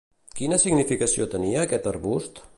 Quina significació tenia aquest arbust?